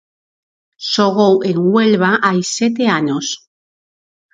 Xogou en Huelva hai sete anos.